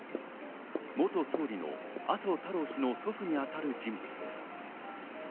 元総理の麻生太郎氏の祖父に当たる人物です。